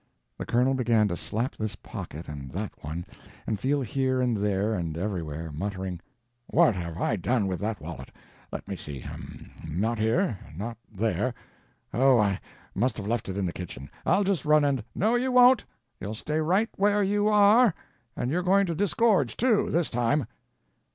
The Colonel began to slap this pocket and that one, and feel here and there and everywhere, muttering: "What have I done with that wallet?—let me see—um—not here, not there —Oh, I must have left it in the kitchen; I'll just run and—" "No you won't—you'll stay right where you are. And you're going to disgorge, too—this time."